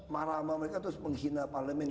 marah sama mereka terus menghina parlemen